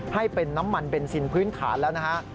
ให้เป็นน้ำมันเบนซินพื้นฐานแล้วนะฮะ